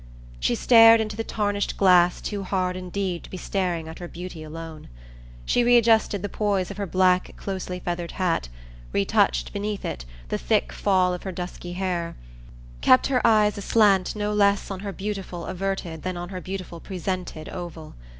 She stared into the tarnished glass too hard indeed to be staring at her beauty alone. She readjusted the poise of her black closely feathered hat; retouched, beneath it, the thick fall of her dusky hair; kept her eyes aslant no less on her beautiful averted than on her beautiful presented oval.